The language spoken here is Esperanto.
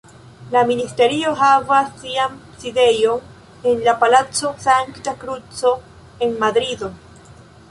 La Ministerio havas sian sidejon en la Palaco Sankta Kruco, en Madrido.